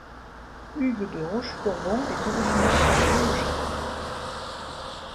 Hugues de Rochecorbon est originaire de la région de Chartres.